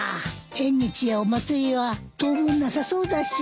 縁日やお祭りは当分なさそうだし。